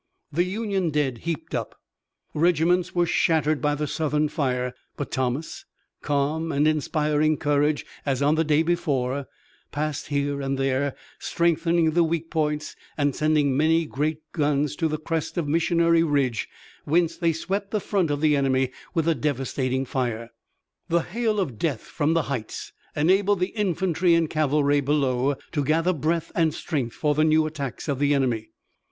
The Union dead heaped up, regiments were shattered by the Southern fire, but Thomas, calm, and, inspiring courage as on the day before, passed here and there, strengthening the weak points, and sending many great guns to the crest of Missionary Ridge, whence they swept the front of the enemy with a devastating fire. The hail of death from the heights enabled the infantry and cavalry below to gather breath and strength for the new attacks of the enemy.